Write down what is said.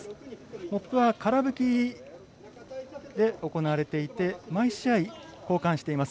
モップはから拭きで行われていて毎試合、交換しています。